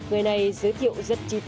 cái đấy có dễ sử dụng không anh